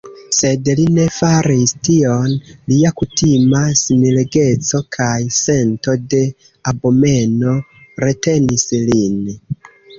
Sed li ne faris tion; lia kutima sinregeco kaj sento de abomeno retenis lin.